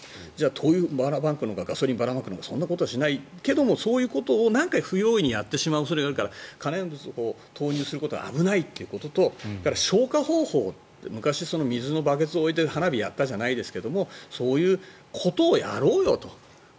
灯油をばらまくのかガソリンをばらまくのかそういうことはしないけどそういうことをなんか不用意にやってしまう恐れがあるから可燃物を投入するのは危ないということとそれから消火方法って昔は水の入ったバケツを置いて花火をやったじゃないですけどそういうことをやろうよと。